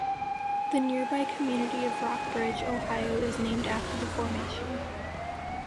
The nearby community of Rockbridge, Ohio is named after the formation.